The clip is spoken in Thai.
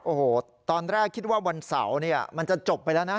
โอ้โหตอนแรกคิดว่าวันเสาร์เนี่ยมันจะจบไปแล้วนะ